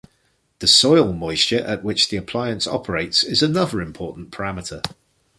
The soil moisture at which the appliance operates is another important parameter.